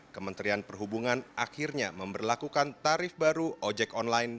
kementerian perhubungan akhirnya memperlakukan tarif baru ojek online